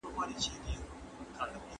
کُنت کوم ميتود غوره ګڼلی دی؟